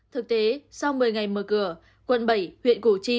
thực tế sau một mươi ngày mở cửa quận bảy huyện củ chi